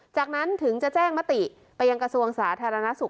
จากนั้นถึงจะแจ้งมติไปยังกระทรวงสาธารณสุข